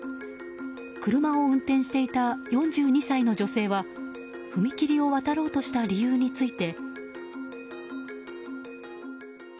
車を運転していた４２歳の女性は踏切を渡ろうとした理由について。